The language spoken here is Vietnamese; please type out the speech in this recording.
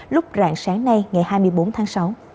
lúc rạng sáng nay ngày hai mươi bốn tháng sáu